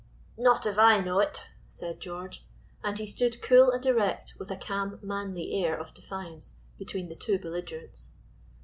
"Not if I know it," said George. And he stood cool and erect with a calm manly air of defiance between the two belligerents.